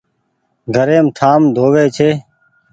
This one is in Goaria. گهريم ٺآم ڌووي ڇي ۔